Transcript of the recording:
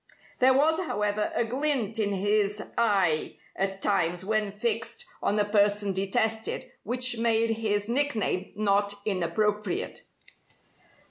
There was, however, a glint in his eye at times when fixed on a person detested, which made his nickname not inappropriate.